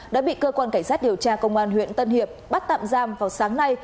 đã bị cơ quan cảnh sát điều tra công an huyện tân hiệp bắt tạm giam vào sáng nay